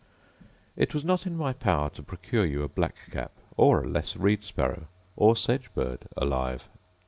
It was not in my power to procure you a black cap, or a less reed sparrow, or sedge bird, alive.